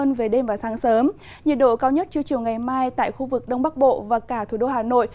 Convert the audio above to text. nhiệt độ cao nhất trưa chiều ngày mai tại khu vực đông bắc bộ và cả thủ đô hà nội